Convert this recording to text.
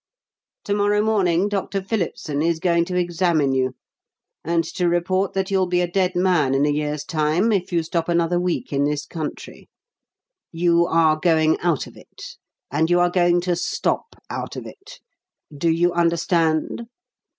To morrow morning Dr. Phillipson is going to examine you, and to report that you'll be a dead man in a year's time if you stop another week in this country. You are going out of it, and you are going to stop out of it. Do you understand?